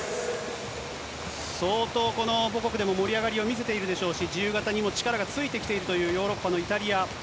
相当、この母国で盛り上がりを見せているでしょうし、自由形にも力がついてきているというヨーロッパのイタリア。